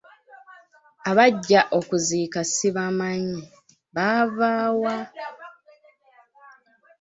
Abajja okuziika sibamanyi, baava wa?